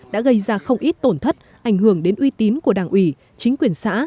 đã gây ra không ít tổn thất ảnh hưởng đến uy tín của đảng ủy chính quyền xã